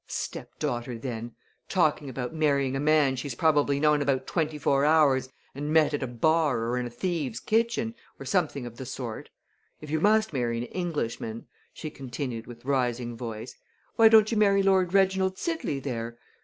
"Stepdaughter then! talking about marrying a man she's probably known about twenty four hours and met at a bar or in a thieves' kitchen, or something of the sort! If you must marry an Englishman," she continued with rising voice, "why don't you marry Lord Reginald Sidley there?